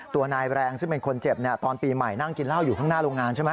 ตัวนายแรงซึ่งเป็นคนเจ็บตอนปีใหม่นั่งกินเหล้าอยู่ข้างหน้าโรงงานใช่ไหม